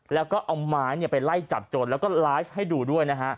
แล้วก็เอาไม้ไปไล่จับโจรแล้วก็ไลฟ์ให้ดูด้วยนะฮะ